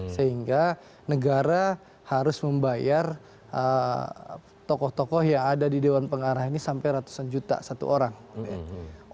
sehingga negara harus membayar tokoh tokoh yang ada di dewan pengarah ini sampai ratusan juta satu orang